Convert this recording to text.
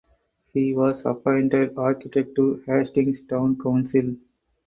He was appointed Architect to Hastings Town Council.